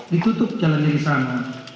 ditutup jalan jalan di sana